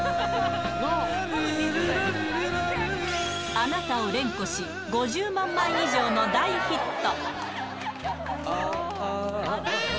あなたを連呼し、５０万枚以上の大ヒット。